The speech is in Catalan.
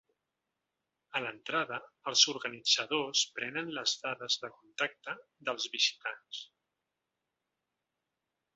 A l’entrada, els organitzadors prenen les dades de contacte dels visitants.